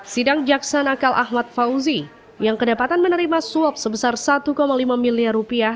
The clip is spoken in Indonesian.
sidang jaksa nakal ahmad fauzi yang kedapatan menerima suap sebesar satu lima miliar rupiah